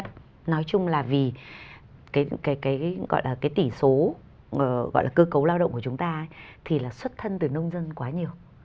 thấp nhất nói chung là vì cái tỷ số cơ cấu lao động của chúng ta thì là xuất thân từ nông dân quá nhiều